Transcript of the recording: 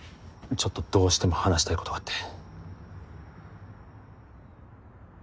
ちょっとどうしても話したいことがあって。